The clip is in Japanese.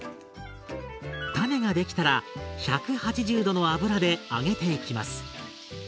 タネができたら１８０℃の油で揚げていきます。